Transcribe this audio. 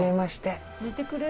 寝てくれる？